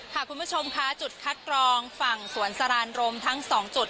คุณผู้ชมค่ะจุดคัดกรองฝั่งสวนสรานรมทั้ง๒จุด